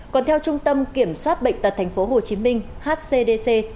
còn theo trung tâm kiểm soát bệnh tật thành phố hồ chí minh hcdc